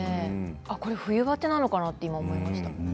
これは冬バテなのかな？と今、思い出した。